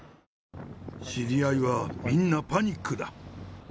知り合いはみんなパニックだ。